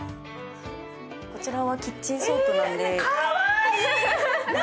こちらはキッチンソープなので。